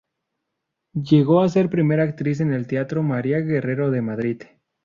Llegó a ser primera actriz en el Teatro María Guerrero de Madrid.